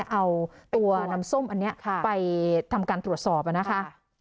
เอาตัวน้ำส้มอันนี้ไปทำการตรวจสอบนะคะ